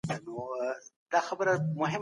توازن باید په هره برخه کي وي.